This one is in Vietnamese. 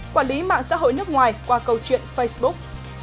quản lý mạng xã hội nước ngoài qua câu chuyện facebook